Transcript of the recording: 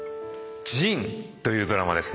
『ＪＩＮ−仁−』というドラマですね。